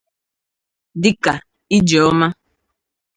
dịka: ije ọma